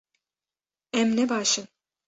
Em ne baş in